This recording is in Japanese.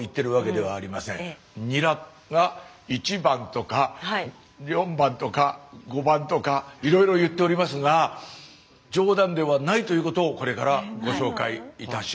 ニラが１番とか４番とか５番とかいろいろ言っておりますが冗談ではないということをこれからご紹介いたしましょう。